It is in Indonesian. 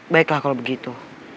baiklah kalau begitu